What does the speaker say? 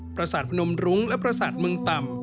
ประศาสตร์พนมรุงและประศาสตร์เมืองต่ำ